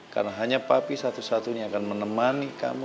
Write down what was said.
karena hanya papi satu satunya akan menemani kamu